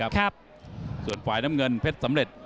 มาวินยกแรกที่วิธีมวยราชดำเนินครับครับส่วนฝ่ายน้ำเงินเพชรสำเร็จ